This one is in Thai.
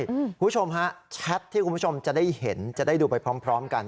คุณผู้ชมฮะแชทที่คุณผู้ชมจะได้เห็นจะได้ดูไปพร้อมกัน